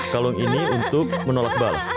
kalung ini untuk menolak bala